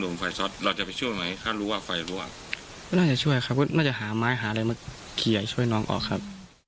ไม่น่าจะช่วยครับก็น่าจะหาไม้หาอะไรมาเขียนช่วยน้องออกครับ